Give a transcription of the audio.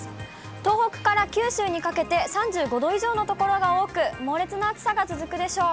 東北から九州にかけて、３５度以上の所が多く、猛烈な暑さが続くでしょう。